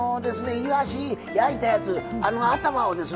いわし焼いたやつあの頭をですね